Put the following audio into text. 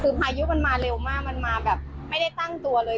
คือพายุมันมาเร็วมากมันมาแบบไม่ได้ตั้งตัวเลย